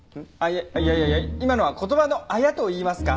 いやいや今のは言葉のあやといいますか。